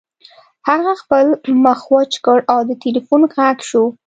هغه خپل مخ وچ کړ او د ټیلیفون غږ شو